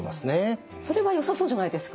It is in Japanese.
それはよさそうじゃないですか。